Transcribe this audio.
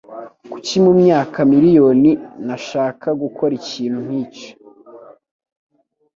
Kuki mumyaka miriyoni nashaka gukora ikintu nkicyo?